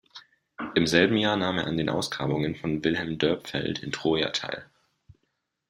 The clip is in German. Im selben Jahr nahm er an den Ausgrabungen von Wilhelm Dörpfeld in Troja teil.